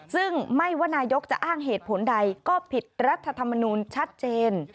ซึ่งไม่ว่านายกจะอ้างเหตุผลใดก็ผิดรัฐธรรมนูลชัดเจน